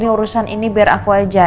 ini urusan ini biar aku aja